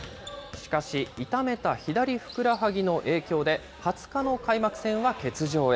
しかし、痛めた左ふくらはぎの影響で、２０日の開幕戦は欠場へ。